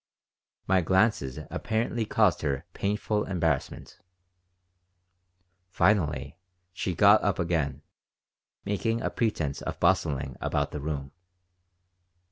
My glances apparently caused her painful embarrassment. Finally she got up again, making a pretense of bustling about the room.